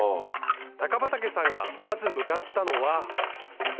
高畠さんがまず向かったのはえ？